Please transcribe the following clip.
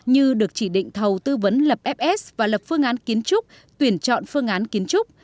như được chỉ định thầu tư vấn lập fs và lập phương án kiến trúc tuyển chọn phương án kiến trúc